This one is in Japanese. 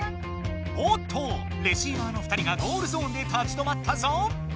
おっとレシーバーの２人がゴールゾーンで立ち止まったぞ！